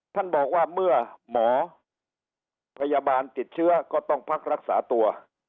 ท่านบอกว่าเมื่อหมอพยาบาลติดเชื้อก็ต้องพักรักษาตัว